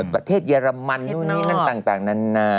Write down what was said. ประเทศเยอรมันต่างนั้นนะ